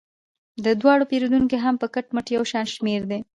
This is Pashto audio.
د دواړو پیرودونکي هم په کټ مټ یو شان شمیر دي.